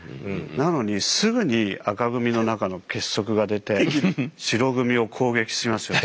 なのにすぐに赤組の中の結束が出て白組を攻撃しましょうと。